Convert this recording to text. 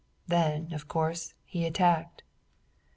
Then, of course, he attacked."